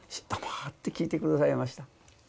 黙って聞いて下さいました。